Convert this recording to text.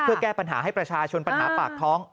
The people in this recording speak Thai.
เพื่อแก้ปัญหาให้ประชาชนปัญหาปากท้อง